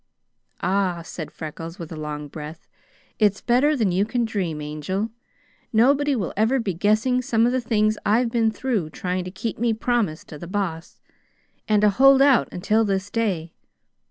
"Ah!" said Freckles, with a long breath, "it's better than you can dream, Angel. Nobody will ever be guessing some of the things I've been through trying to keep me promise to the Boss, and to hold out until this day.